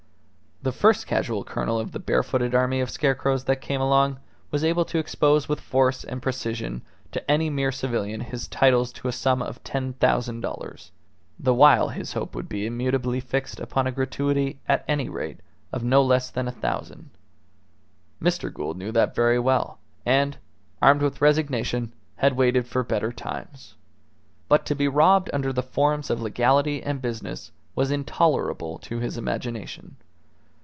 The first casual colonel of the barefooted army of scarecrows that came along was able to expose with force and precision to any mere civilian his titles to a sum of 10,000 dollars; the while his hope would be immutably fixed upon a gratuity, at any rate, of no less than a thousand. Mr. Gould knew that very well, and, armed with resignation, had waited for better times. But to be robbed under the forms of legality and business was intolerable to his imagination.